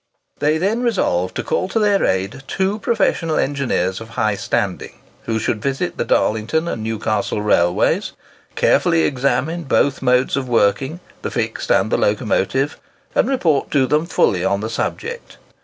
They then resolved to call to their aid two professional engineers of high standing, who should visit the Darlington and Newcastle railways, carefully examine both modes of working—the fixed and the locomotive,—and report to them fully on the subject.